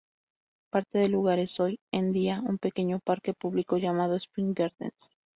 Parte del lugar es hoy en día un pequeño parque público llamado Spring Gardens.